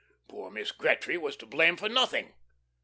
Poor Miss Gretry was to blame for nothing.